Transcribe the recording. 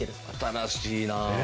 新しいな！